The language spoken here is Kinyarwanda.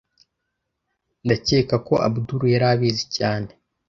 Ndakeka ko Abdul yari abizi cyane